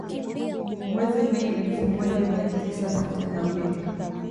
Mwezi Mei elfu moja mia tisa sitini na mbili